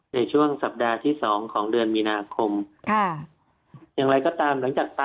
ในช่วงสัปดาห์ที่สองของเดือนมีนาคม